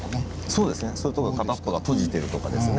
そうですねそれとか片っぽが閉じてるとかですね。